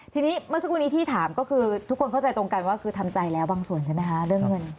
ทีนี้เมื่อสักครู่นี้ที่ถามก็คือทุกคนเข้าใจตรงกันว่าคือทำใจแล้วบางส่วนใช่ไหมคะเรื่องเงิน